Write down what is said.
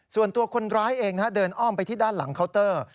ส่วนตัวคนร้ายเองเดินอ้อมไปที่ด้านหลังเคาน์เตอร์